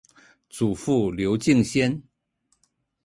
祖父刘敬先。